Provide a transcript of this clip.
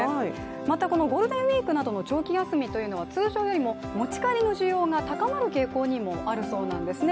またこのゴールデンウイークの長期休みというのは、通常よりも高まる傾向にもあるそうなんですね。